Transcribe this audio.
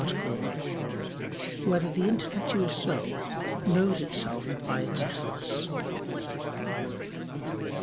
87, Art. 1] Whether the Intellectual Soul Knows Itself by Its Essence?